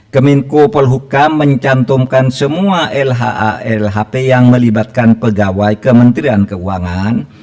kemenko polhukam mencantumkan semua lha lhp yang melibatkan pegawai kementerian keuangan